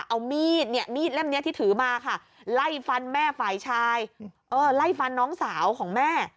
เอามีดเนี่ยมีดเล่มนี้ที่ถือมาค่ะไล่ฟันแม่ฝ่ายชายไล่ฟันน้องสาวของแม่